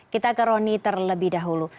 kita ke roni terlebih dahulu